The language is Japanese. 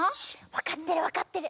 わかってるわかってる。